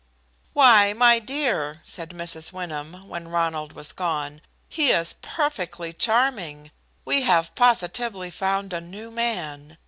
"Why, my dear," said Mrs. Wyndham, when Ronald was gone, "he is perfectly charming. We have positively found a new man."